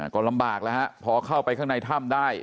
ก็ลำบากแล้วฮะพอเข้าไปข้างในถ้ำได้